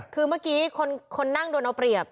คือเมื่อกี้คนนั่งโดนเอาเปรียบ